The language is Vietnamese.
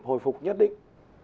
hồi phục nhất định